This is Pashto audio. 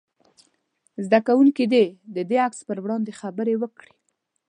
زده کوونکي دې د عکس په وړاندې خبرې وکړي.